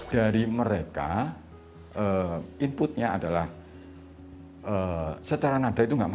dari mereka inputnya adalah secara nada itu gak menggambarkan